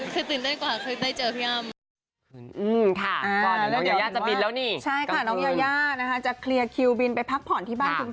คือตื่นเต้นกว่าคือได้เจอพี่อ้ำ